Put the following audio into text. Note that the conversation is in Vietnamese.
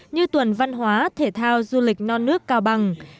như tuần văn hóa thể thao du lịch non nước cao bằng